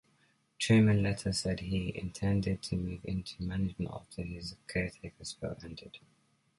Trueman later said he intended to move into management after his caretaker spell ended.